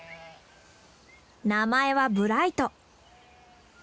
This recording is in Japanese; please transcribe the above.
名前はブライト。